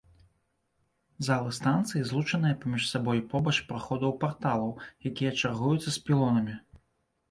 Залы станцыі злучаныя паміж сабой побач праходаў-парталаў, якія чаргуюцца з пілонамі.